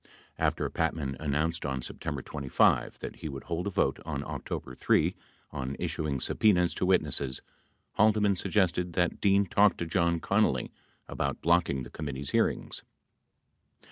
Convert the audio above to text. After Patman announced on September 25 that he would hold a vote on October 3 on issuing subpenas to witnesses, Haldeman suggested that Dean talk to John Connally about blocking the committee's hearings.